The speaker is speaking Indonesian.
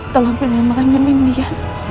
tolong pindahin makam nindi ya